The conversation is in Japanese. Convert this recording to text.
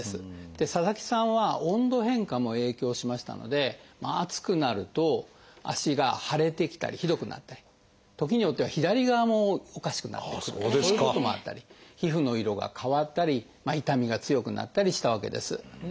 佐々木さんは温度変化も影響しましたので暑くなると足が腫れてきたりひどくなったり時によっては左側もおかしくなってくるということもあったり皮膚の色が変わったり痛みが強くなったりしたわけです。